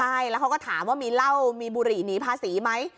ใช่แล้วเขาก็ถามว่ามีเหล้ามีบุหรี่หนีภาษีไหม